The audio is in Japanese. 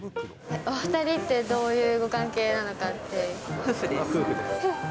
お２人ってどういうご関係な夫婦です。